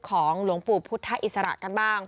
หลวงปู่พุทธอิสระกันบ้าง